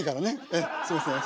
ええすみません。